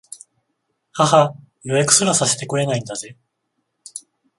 ははっ、予約すらさせてくれないんだぜ